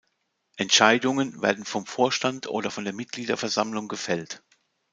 Entscheidungen werden vom Vorstand oder von der Mitgliederversammlung gefällt.